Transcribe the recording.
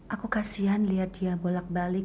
aku kasian lihat dia bolak balik